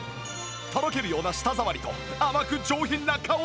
とろけるような舌触りと甘く上品な香り